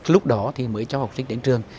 lúc đó thì mới cho học sinh đến trường